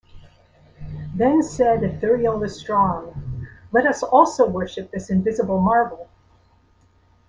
Then said Ithuriel the strong; let Us also worship this invisible marvel!